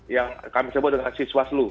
yang kami sebut dengan siswaslu